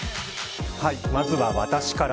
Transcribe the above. まずは私から。